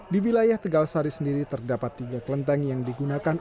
di wilayah tegal sari sendiri terdapat tiga kelenteng yang digunakan